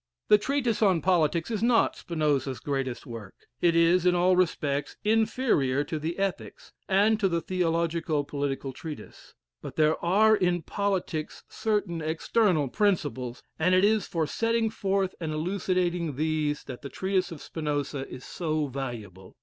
The "Treatise on Politics" is not Spinoza's greatest work; it is, in all respects, inferior to the "Ethics," and to the "Theologico Political Treatise." But there are in politics certain eternal principles, and it is for setting forth and elucidating these that the Treatise of Spinoza is so valuable.